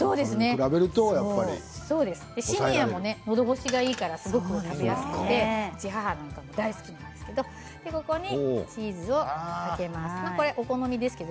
シニアも、のどごしがいいからすごく食べやすくて大好きなんですけどここにチーズも入れます。